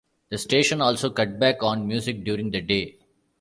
The station also cut back on music during the day.